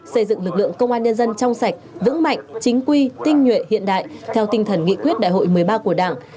xây dựng lực lượng công an nhân dân trong sạch vững mạnh chính quy tinh nhuệ hiện đại theo tinh thần nghị quyết đại hội một mươi ba của đảng